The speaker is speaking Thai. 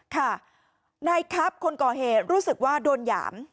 ค่ะนายครับคนก่อเหตุรู้สึกว่าโดนหยาม